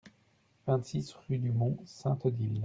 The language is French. vingt-six rue du Mont Sainte-Odile